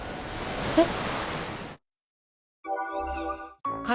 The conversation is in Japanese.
えっ。